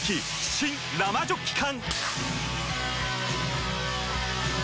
新・生ジョッキ缶！